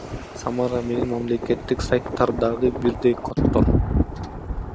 Самара менен мамлекеттик сайттардагы бирдей коддор